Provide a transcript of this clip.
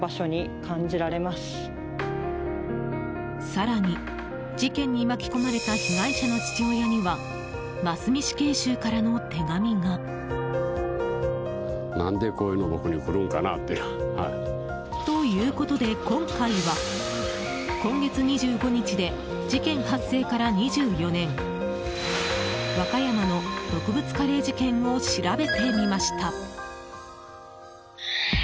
更に、事件に巻き込まれた被害者の父親には真須美死刑囚からの手紙が。ということで今回は今月２５日で事件発生から２４年和歌山の毒物カレー事件を調べてみました。